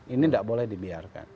ini tidak boleh dibiarkan